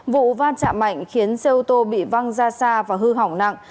vụ va chạm mạnh khiến xe ô tô bị văng ra xa và hư hỏng nặng